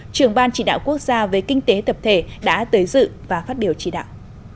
trưởng ban chỉ đạo quốc gia về kinh tế tập thể đã tới dự và phát biểu chỉ đạo